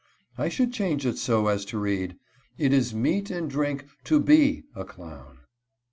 _" I should change it so as to read: "It is meat and drink TO BE _a clown.